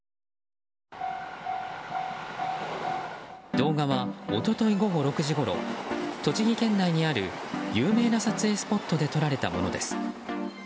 動画は一昨日午後６時ごろ栃木県内にある有名な撮影スポットで撮られたものです。